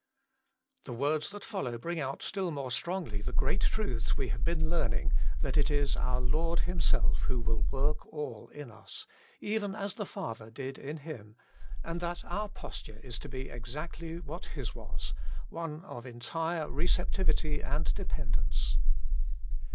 The words that follow bring out still more strongly the great truths we have been learning, that it is our Lord Himself who will work all in us, even as the Father did in Him, and that our posture is to be exactly what His was, one of entire recep tivity and dependence.